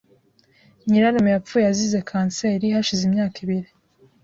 Nyirarume yapfuye azize kanseri hashize imyaka ibiri .